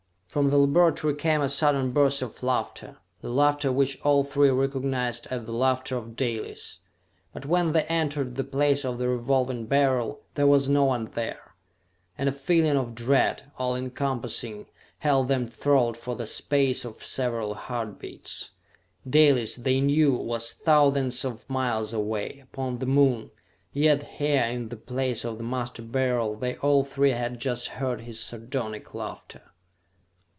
From the laboratory came a sudden burst of laughter, the laughter which all three recognized as the laughter of Dalis; but when they entered the place of the Revolving Beryl, there was no one there and a feeling of dread, all encompassing, held them thralled for the space of several heart beats. Dalis, they knew, was thousands of miles away, upon the Moon; yet here in the place of the Master Beryl they all three had just heard his sardonic laughter!